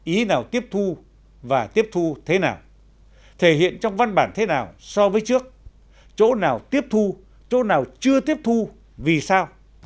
ý nào tiếp thu và tiếp thu thế nào thể hiện trong văn bản thế nào so với trước chỗ nào tiếp thu chỗ nào chưa tiếp thu vì sao